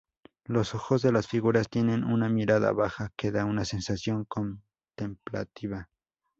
Los ojos de las figuras tienen una mirada baja que da una sensación contemplativa.